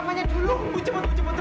pintar ya ya pintar